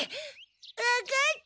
わかった。